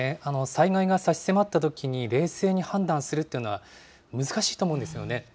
災害が差し迫ったときに冷静に判断するっていうのは、難しいと思うんですよね。